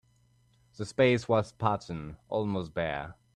The space was spartan, almost bare.